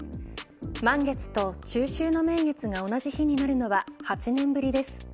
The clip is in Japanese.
満月と中秋の名月が同じ日になるのは８年ぶりです。